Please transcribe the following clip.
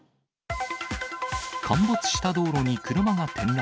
陥没した道路に車が転落。